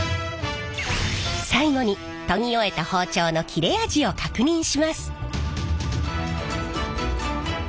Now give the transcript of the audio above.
最後に研ぎ終えた包丁の切れ味を確認します。